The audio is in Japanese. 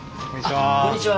こんにちは。